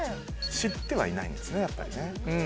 知ってはいないんですねやっぱりね。